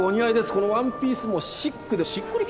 このワンピースもシックでしっくりきてる。